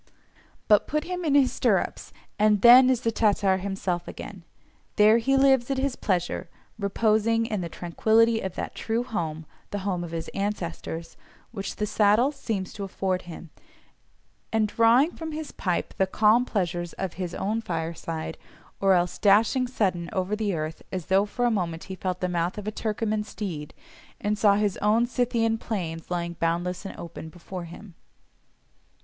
But put him in his stirrups, and then is the Tatar himself again: there he lives at his pleasure, reposing in the tranquillity of that true home (the home of his ancestors) which the saddle seems to afford him, and drawing from his pipe the calm pleasures of his "own fireside," or else dashing sudden over the earth, as though for a moment he felt the mouth of a Turcoman steed, and saw his own Scythian plains lying boundless and open before him.